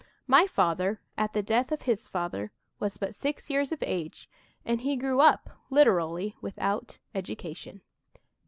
"My father, at the death of his father, was but six years of age; and he grew up, literally without education."